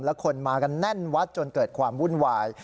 แล้วคนมากันแน่นวัดจนเกิดความวุ่นวาย